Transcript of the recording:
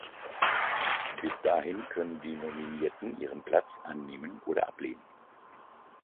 Bis dahin können die Nominierten ihren Platz annehmen oder ablehnen.